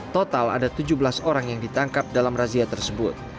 total ada tujuh belas orang yang ditangkap dalam razia tersebut